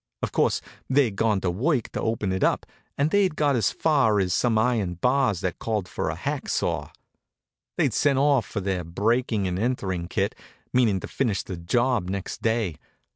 Of course, they'd gone to work to open it up, and they'd got as far as some iron bars that called for a hack saw. They'd sent off for their breaking and entering kit, meaning to finish the job next day.